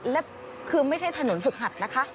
และคือไม่ใช่ถนนสุขหัดนะคะ